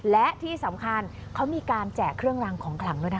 และที่สำคัญเขามีการแจกเครื่องรางของขลังด้วยนะคะ